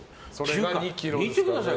見てください